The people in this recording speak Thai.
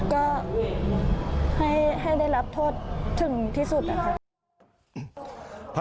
ก็ให้ได้รับโทษถึงที่สุดนะคะ